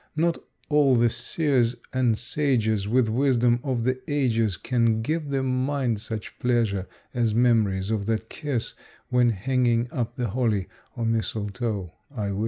Not all the seers and sages With wisdom of the ages Can give the mind such pleasure as memories of that kiss When hanging up the holly or mistletoe, I wis.